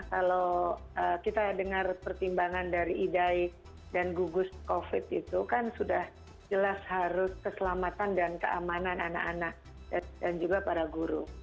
kalau kita dengar pertimbangan dari idaik dan gugus covid itu kan sudah jelas harus keselamatan dan keamanan anak anak dan juga para guru